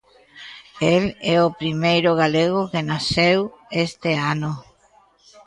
El é o primeiro galego que naceu este ano.